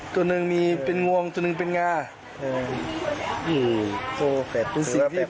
ตัวหนึ่งมีเป็นงวงตัวหนึ่งเป็นงาเอออืมมีหูไหม